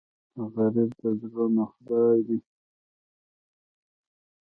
غریب د زړونو خدای دی